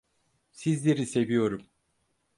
Sizleri seviyorum.